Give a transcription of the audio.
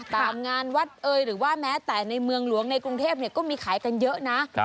ตามงานวัดเอ่ยหรือว่าแม้แต่ในเมืองหลวงในกรุงเทพก็มีขายกันเยอะนะ